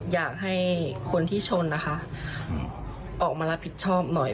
อยากให้คนที่ชนนะคะออกมารับผิดชอบหน่อย